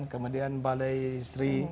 kemudian balai sri